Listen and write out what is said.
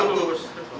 untuk di online